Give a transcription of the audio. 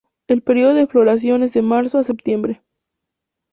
El período de floración es de marzo a septiembre.